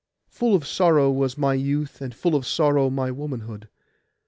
Full of sorrow was my youth, and full of sorrow my womanhood.